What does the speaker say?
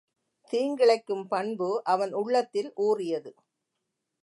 தீங்கிழைக்கும் பண்பு அவன் உள்ளத்தில் ஊறியது.